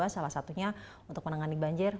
salah satunya untuk menangani banjir